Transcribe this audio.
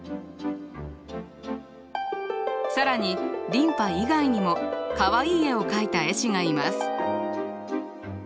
更に琳派以外にもかわいい絵を描いた絵師がいます。